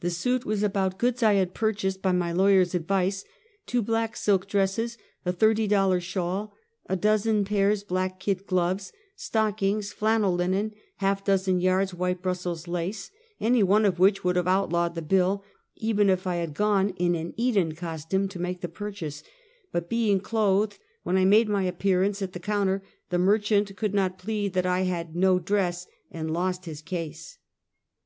The suit was about goods 1 had purchased by my lawyer's advice — two black silk dresses, a thirty dollar shawl, a dozen pairs black kid gloves, stockings, flannel, linen, half dozen yards white Brussels lace, any one of which would have outlawed the bill, even if I had gone in an Eden costume to make the purchase; but being clothed when I made my appearance at the counter, the merchant could not plead that I " had no dress," and lost his case.